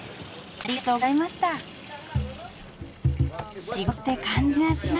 ありがとうございます！